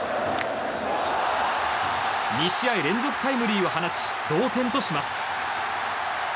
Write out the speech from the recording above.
２試合連続タイムリーを放ち同点とします。